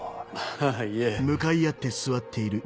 あぁいえ。